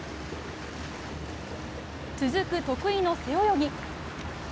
続く得意の背泳ぎ。